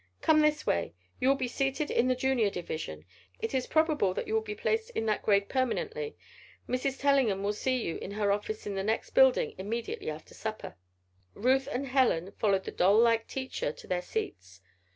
"Come this way. You will be seated in the Junior division. It is probable that you will be placed in that grade permanently. Mrs. Tellingham will see you in her office in the next building immediately after supper." Ruth and Helen followed the doll like teacher to their seats.